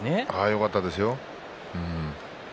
よかったですよ。